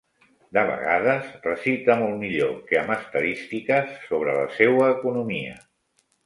De vegades, recite molt millor que amb estadístiques sobre la seua economia.